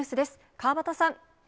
川畑さん。